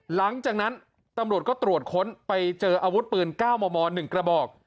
หลังจากนั้นตำรวจก็ตรวจค้นไปเจออาวุธปืน๙มม๑กระบอก